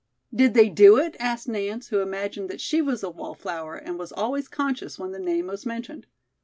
"Did they do it?" asked Nance, who imagined that she was a wallflower, and was always conscious when the name was mentioned.